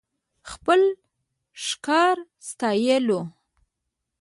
خپل ښکار ستايلو .